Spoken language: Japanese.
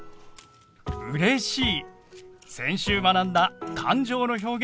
先週学んだ感情の表現